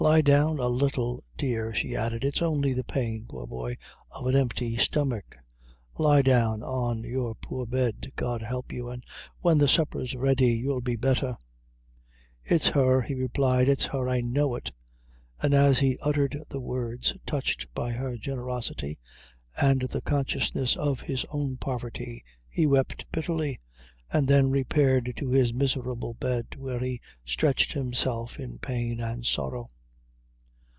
"Lie down a little, dear," she added, "its only the pain, poor boy, of an empty stomach lie down on your poor bed, God help you, and when the supper's ready you'll be better." "It's her," he replied "it's her I know it" and as he uttered the words, touched by her generosity, and the consciousness of his own poverty, he wept bitterly, and then repaired to his miserable bed, where he stretched himself in pain and sorrow.